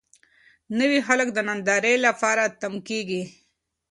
نوي خلک د نندارې لپاره تم کېږي.